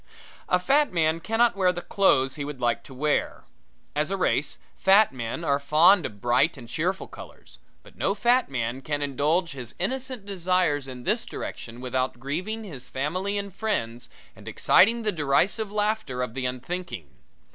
A fat man cannot wear the clothes he would like to wear. As a race fat men are fond of bright and cheerful colors; but no fat man can indulge his innocent desires in this direction without grieving his family and friends and exciting the derisive laughter of the unthinking.